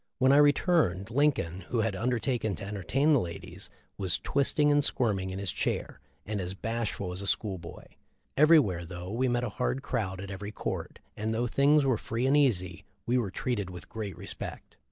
When I returned, Lincoln, who had under taken to entertain the ladies, was twisting and squirming in his chair, and as bashful as a school boy. Everywhere, though we met a hard crowd at every court, and though things were free and easy, we were treated with great respect."